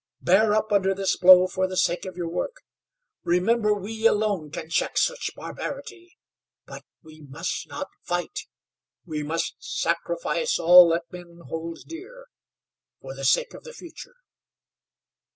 Bear up under this blow for the sake of your work. Remember we alone can check such barbarity. But we must not fight. We must sacrifice all that men hold dear, for the sake of the future."